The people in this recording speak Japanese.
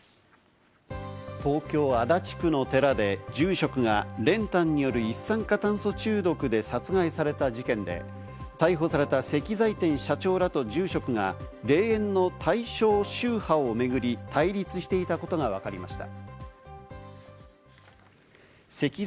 東京・足立区の寺で住職が練炭による一酸化炭素中毒で殺害された事件で、逮捕された石材店社長らと住職が霊園の対象宗派を巡り対立していたことがわかりました。